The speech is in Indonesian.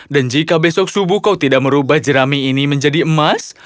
dan jika besok subuh kau tidak merubah jerami ini menjadi emas